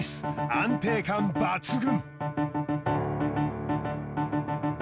安定感抜群